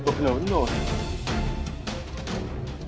cũng như giờ sang offline